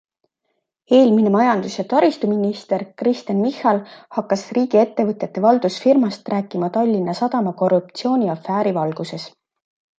Eelmine majandus- ja taristuminister Kristen Michal hakkas riigiettevõtete valdusfirmast rääkima Tallinna Sadama korruptsiooniafääri valguses.